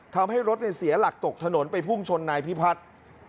ทำให้รถเสียหลักตกถนนไปพุ่งชนนายพิพัฒน์